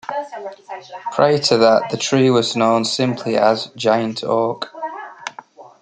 Prior to that, the tree was known simply as Giant Oak.